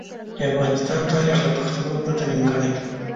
د افغانستان تاریخ له پښتنو پرته نیمګړی دی.